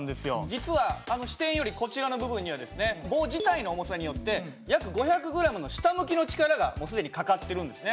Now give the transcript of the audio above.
実はあの支点よりこちらの部分にはですね棒自体の重さによって約５００ｇの下向きの力がもう既にかかってるんですね。